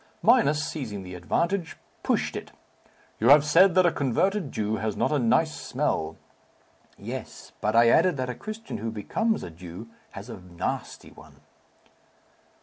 Minos, seizing the advantage, pushed it. "You have said that a converted Jew has not a nice smell." "Yes. But I added that a Christian who becomes a Jew has a nasty one."